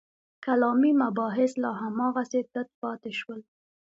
کلامي مباحث لا هماغسې تت پاتې شول.